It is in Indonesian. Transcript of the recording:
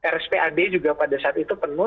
rspad juga pada saat itu penuh